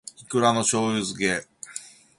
いくらの醬油漬け